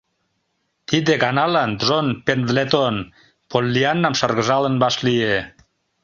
Тиде ганалан Джон Пендлетон Поллианнам шыргыжалын вашлие: